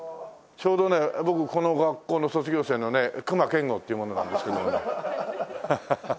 ちょうどね僕この学校の卒業生のね隈研吾っていう者なんですけどもハハハ。